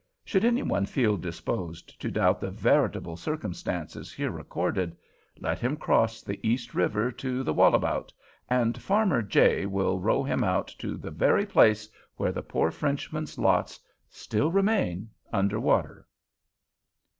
Should any one feel disposed to doubt the veritable circumstances here recorded, let him cross the East River to the Wallabout, and farmer J—— will row him out to the very place where the poor Frenchman's lots still remain under water.